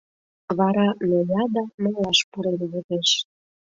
Вара ноя да малаш пурен возеш.